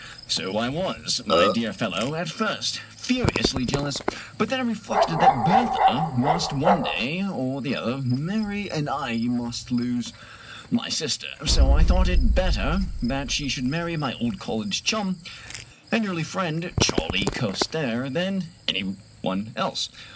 " So I was, my dear fellow, at first — furiously jealous. But then I reflected that Bertha must one day or the other marry, and I must lose my sister, so I thought it better that she should marry my old college chum and early friend, Charley Costarre, than anyone else.